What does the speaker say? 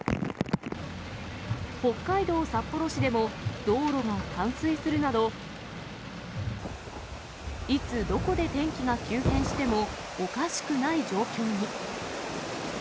北海道札幌市でも、道路が冠水するなど、いつ、どこで天気が急変してもおかしくない状況に。